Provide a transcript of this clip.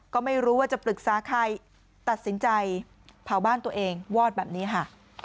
ก็ไม่รู้ว่าจะปรึกษาใครตัดสินใจเผาบ้านตัวเองวอดแบบนี้ค่ะ